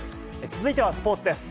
続いてはスポーツです。